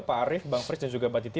pak arief bang frits dan juga mbak titi